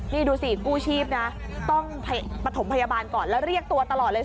นี่ดูสิกู้ชีพนะต้องปฐมพยาบาลก่อนแล้วเรียกตัวตลอดเลย